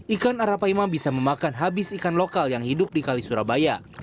ikan arapaima bisa memakan habis ikan lokal yang hidup di kali surabaya